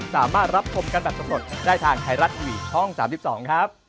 สวัสดีครับ